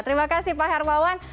terima kasih pak herpawan